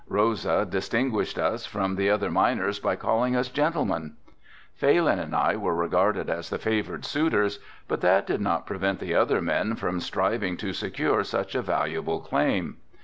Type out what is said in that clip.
Rosa distinguished us from the other miners by calling us gentlemen. Phalin and I were regarded as the favored suitors but that did not prevent the other men from striving to secure such a valuable claim.